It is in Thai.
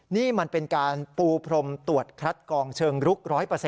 นี่มันเป็นการปูพรมตรวจคัดกองเชิงลุก๑๐๐